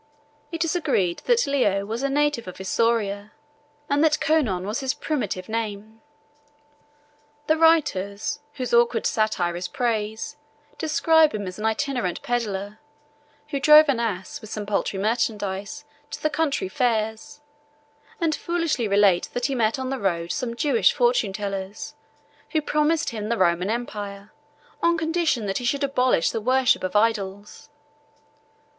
It is agreed that Leo was a native of Isauria, and that Conon was his primitive name. The writers, whose awkward satire is praise, describe him as an itinerant pedler, who drove an ass with some paltry merchandise to the country fairs; and foolishly relate that he met on the road some Jewish fortune tellers, who promised him the Roman empire, on condition that he should abolish the worship of idols.